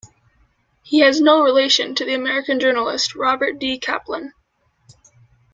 He has no relation to the American journalist Robert D. Kaplan.